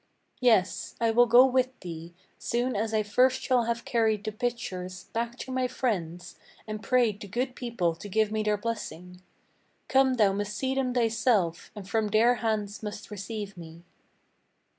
Yes, I will go with thee, soon as I first shall have carried the pitchers Back to my friends, and prayed the good people to give me their blessing. Come thou must see them thyself, and from their hands must receive me."